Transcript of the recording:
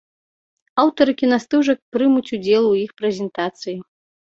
Аўтары кінастужак прымуць удзел у іх прэзентацыі.